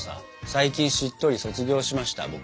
最近「しっとり」卒業しました僕。